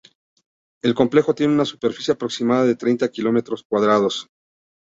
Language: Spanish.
El complejo tiene una superficie aproximada de treinta kilómetros cuadrados.